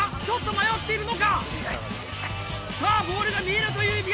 見えているのか？